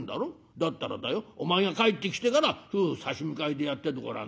だったらだよお前が帰ってきてから夫婦差し向かいでやっててごらん。